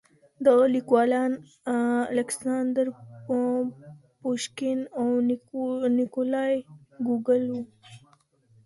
دغه ليکوالان الکساندر پوشکين او نېکولای ګوګول وو.